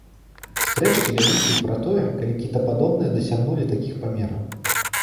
Спрэчкі вяліся і пра тое, калі кітападобныя дасягнулі такіх памераў.